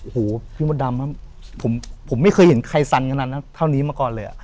โอ้โหพี่มดดำครับผมไม่เคยเห็นใครสั่นขนาดนั้นเท่านี้มาก่อนเลย